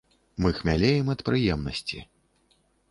Мы хмялеем ад прыемнасці.